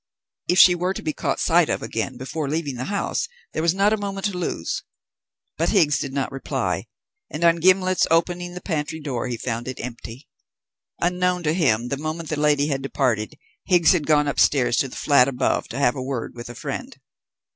If she were to be caught sight of again before leaving the house there was not a moment to lose. But Higgs did not reply, and on Gimblet's opening the pantry door he found it empty. Unknown to him, the moment the lady had departed Higgs had gone upstairs to the flat above to have a word with a friend.